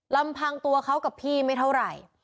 ลำพังตัวเขากับพี่ไม่เท่าไหร่